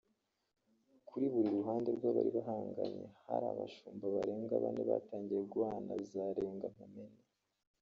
Kuri buri ruhande rw’abari bahanganye hari abashumba barenga bane batangiye guhana za renga nkumene